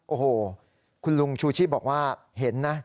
โอ้โหคุณลุงชูชีพบอกว่าเห็นนะ